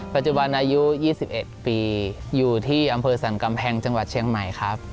ปัจจุบันอายุ๒๑ปีอยู่ที่อำเภอสรรกำแพงจังหวัดเชียงใหม่ครับ